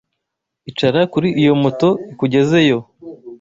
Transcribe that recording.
Icara kuri iyo moto ikugeze yo